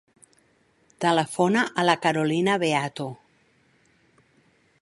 Telefona a la Carolina Beato.